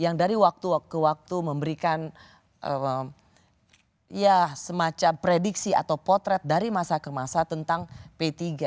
yang dari waktu ke waktu memberikan semacam prediksi atau potret dari masa ke masa tentang p tiga